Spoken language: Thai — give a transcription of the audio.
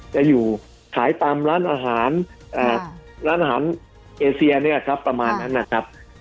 จะอยู่ขายตามร้านอาหารร้านอาหารเอเซียเนี่ยครับประมาณนั้นนะครับ